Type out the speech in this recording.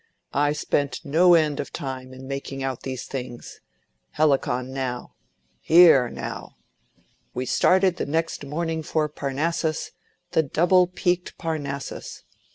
I spent no end of time in making out these things—Helicon, now. Here, now!—'We started the next morning for Parnassus, the double peaked Parnassus.